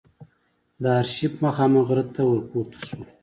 د آرشیف مخامخ غره ته ور پورته شوو.